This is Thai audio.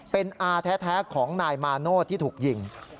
เป็นอาแท้ของนายมาโนธที่ถูกยิง